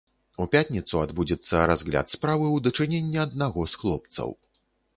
У пятніцу адбудзецца разгляд справы ў дачыненні аднаго з хлопцаў.